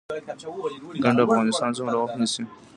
ګنډ افغاني څومره وخت نیسي؟